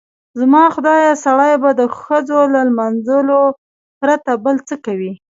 زما خدایه سړی به د ښځو له لمانځلو پرته بل څه کوي؟